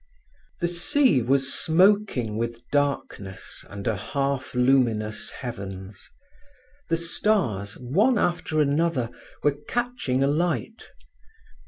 The sea was smoking with darkness under half luminous heavens. The stars, one after another, were catching alight.